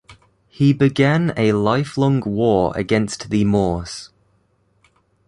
He began a lifelong war against the Moors.